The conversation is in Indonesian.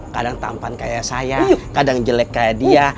kadang tampan kayak saya kadang jelek kayak dia